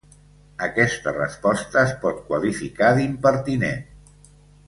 Aquesta resposta es pot qualificar d'impertinent.